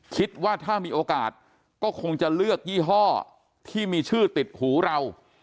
คิดว่าถ้ามีโอกาสก็คงจะเลือกยี่ห้อที่มีชื่อติดหูเรา